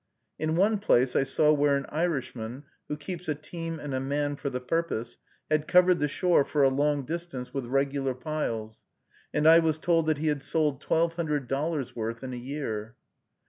In one place I saw where an Irishman, who keeps a team and a man for the purpose, had covered the shore for a long distance with regular piles, and I was told that he had sold twelve hundred dollars' worth in a year.